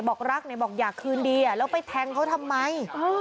บอกรักน่ะบอกอยากขึ้นดีอ่ะแล้วไปแทงเขาทำไม